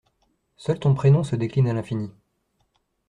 Seul ton prénom se décline à l’infini.